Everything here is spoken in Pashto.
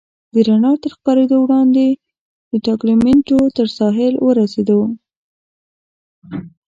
د رڼا تر خپرېدو وړاندې د ټګلیامنټو تر ساحل ورسېدو.